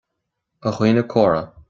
A dhaoine córa,